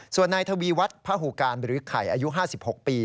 ส่วนในทวีวัฒน์พระหูการบิริษฐ์ไข่อายุ๕๖ปี